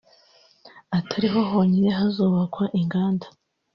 atariho honyine hazubakwa inganda